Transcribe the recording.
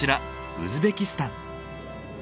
ウズベキスタン。